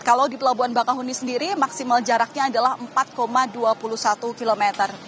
kalau di pelabuhan bakahuni sendiri maksimal jaraknya adalah empat dua puluh satu km